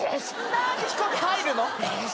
何で飛行機入るの！？